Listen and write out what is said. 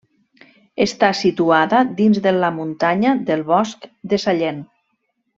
Està situada dins de la Muntanya del Bosc de Sallent.